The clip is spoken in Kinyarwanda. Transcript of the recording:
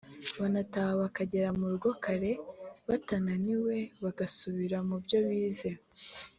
banataha bakagera mu rugo kare batananiwe bagasubira mu byo bize